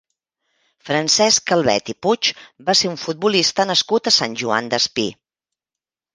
Francesc Calvet i Puig va ser un futbolista nascut a Sant Joan Despí.